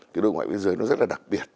cái đối ngoại biên giới nó rất là đặc biệt